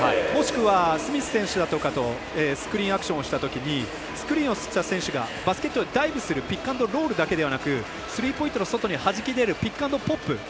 もしくはスミス選手だとかとスクリーンアクションをしたときスクリーンをした選手がバスケットにダイブするピックアンドロールだけではなくスリーポイントの外にはじき出るピックアンドポップ